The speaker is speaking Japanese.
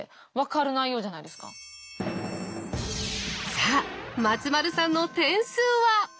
さあ松丸さんの点数は？